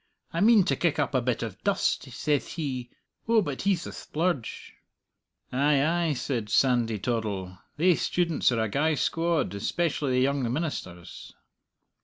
'I mean to kick up a bit of a dust,' thays he. Oh, but he's the splurge!" "Ay, ay," said Sandy Toddle, "thae students are a gey squad especially the young ministers."